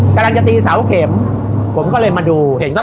กำลังจะตีเสาเข็มผมก็เลยมาดูเห็นว่า